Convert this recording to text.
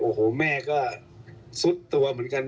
โอ้โหแม่ก็ซุดตัวเหมือนกัน